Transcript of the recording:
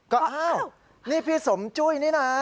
ก็อ้าวนี่พี่สมจุ้ยนี่นะ